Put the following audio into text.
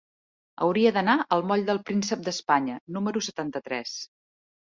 Hauria d'anar al moll del Príncep d'Espanya número setanta-tres.